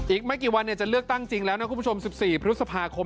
อีกไม่กี่วันจะเลือกตั้งจริงแล้วนะคุณผู้ชม๑๔พฤษภาคม